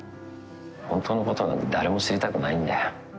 本当のことなんて誰も知りたくないんだよ。